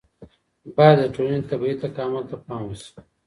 باید د ټولني طبیعي تکامل ته پام وسي.